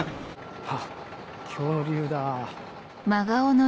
あっ恐竜だ。